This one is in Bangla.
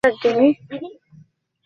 তিনি মূলত বাগদাদে বাস করতে থাকেন।